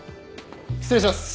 失礼します。